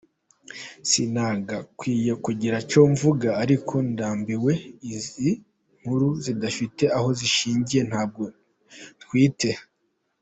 Sinagakwiye kugira icyo mvuga ariko ndambwiwe izi nkuru zidafite aho zishingiye Ntabwo ntwite.